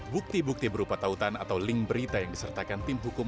bukti bukti berupa tautan atau link berita yang disertakan tim hukum